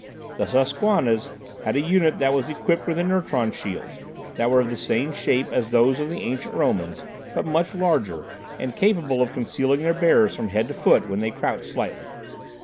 The Susquannas had a unit that was equipped with inertron shields, that were of the same shape as those of the ancient Romans, but much larger, and capable of concealing their bearers from head to foot when they crouched slightly.